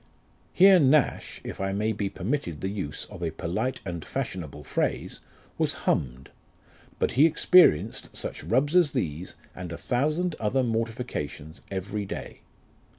Here Nash, if I may be permitted the use of a polite and fashionable phrase, was humm'd ; but he experienced such rubs as these, and a thousand other mortifications, every day.